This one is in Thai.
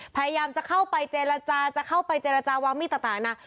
พยายามจะเข้าไปเจรจาจะเข้าไปเจรจาวางมีดต่างนะ